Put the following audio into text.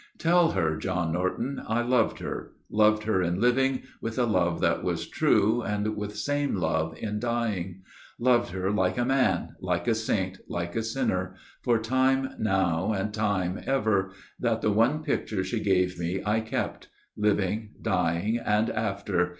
'Tell her, John Norton, I loved her. Loved her in living, With a love that was true, and with same love in dying. Loved her like a man, like a saint, like a sinner, For time now and time ever. That the one picture She gave me I kept; living, dying, and after.